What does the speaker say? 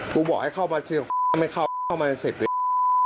กูบอกให้เข้ามา๑๐หนึ่ง